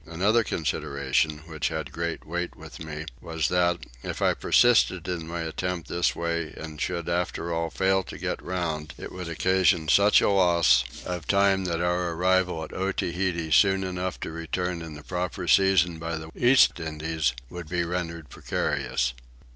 Another consideration which had great weight with me was that, if I persisted in my attempt this way and should after all fail to get round, it would occasion such a loss of time that our arrival at Otaheite soon enough to return in the proper season by the East Indies would be rendered precarious.